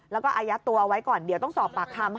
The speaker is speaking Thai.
แล้วก็อายัดตัวเอาไว้ก่อนเดี๋ยวต้องสอบปากคำ